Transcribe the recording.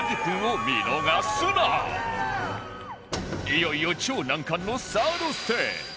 いよいよ超難関の ３ｒｄ ステージ